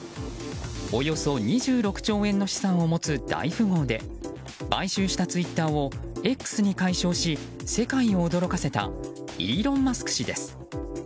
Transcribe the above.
およそ２６兆円の資産を持つ大富豪で買収したツイッターを「Ｘ」に改称し世界を驚かせたイーロン・マスク氏です。